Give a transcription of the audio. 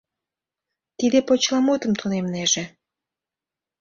Тиде почеламутым тунемнеже.